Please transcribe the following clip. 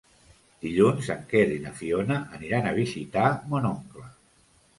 Dilluns en Quer i na Fiona aniran a visitar mon oncle.